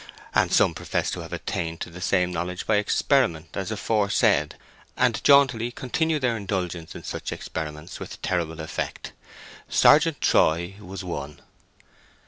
And some profess to have attained to the same knowledge by experiment as aforesaid, and jauntily continue their indulgence in such experiments with terrible effect. Sergeant Troy was one.